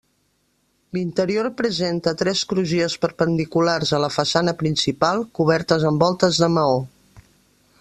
L'interior presenta tres crugies perpendiculars a la façana principal cobertes amb voltes de maó.